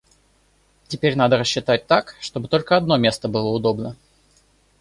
Теперь надо рассчитать так, чтобы только одно место было удобно.